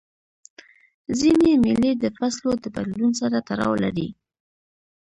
ځیني مېلې د فصلو د بدلون سره تړاو لري.